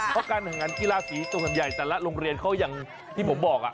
เพราะการแข่งขันกีฬาสีส่วนใหญ่แต่ละโรงเรียนเขาอย่างที่ผมบอก